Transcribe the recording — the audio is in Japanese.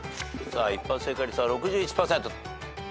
一般正解率は６１％。